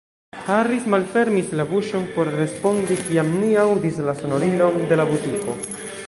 Harris malfermis la buŝon por respondi, kiam ni aŭdis la sonorilon de la butiko.